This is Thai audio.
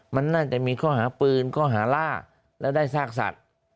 มันน่าจะมีข้อห้าปืนพื้นข้อห้าล่าแล้วได้ทราบซัด